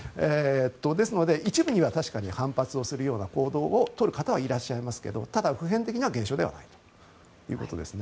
ですので、一部には確かに反発するような行動を取る方はいらっしゃいますが普遍的な現象ではないということです。